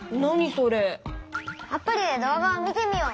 アプリで動画を見てみよう。